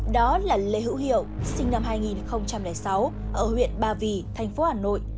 đó là lê hữu hiệu sinh năm hai nghìn sáu ở huyện ba vì thành phố hà nội